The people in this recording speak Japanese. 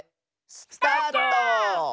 スタート！